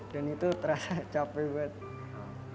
dan itu terasa capek banget